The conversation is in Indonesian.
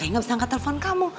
makanya gak bisa angkat telfon kamu